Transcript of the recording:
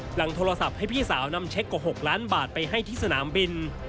หลังโทรศัพท์ให้พี่สาวนำเช็คกว่า๖ล้านบาทไปให้ที่สนามบิน